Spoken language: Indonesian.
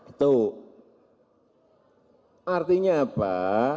itu artinya apa